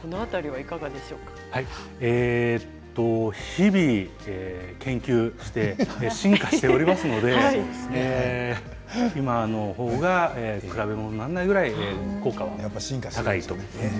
日々、研究して進化しておりますので今のほうが比べものならないぐらい効果は高いと思います。